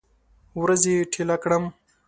ورځې ټیله کړم